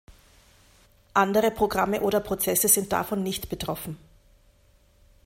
Andere Programme oder Prozesse sind davon nicht betroffen.